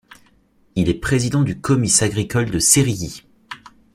Il est président du Comice agricole de Cérilly.